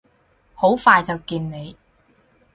好快就見你！